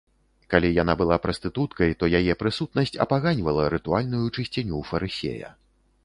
Калі яна была прастытуткай, то яе прысутнасць апаганьвала рытуальную чысціню фарысея.